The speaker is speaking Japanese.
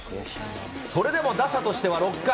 それでも打者としては６回。